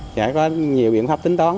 sẽ có nhiều biện pháp tính toán